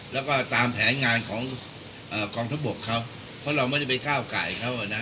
แล้วก็ตามแผนงานของกองทัพบกเขาเพราะเราไม่ได้ไปก้าวไก่เขานะ